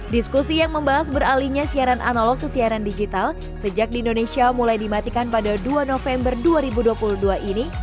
diskusi yang membahas beralihnya siaran analog ke siaran digital sejak di indonesia mulai dimatikan pada dua november dua ribu dua puluh dua ini